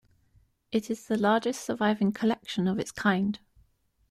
It is the largest surviving collection of its kind.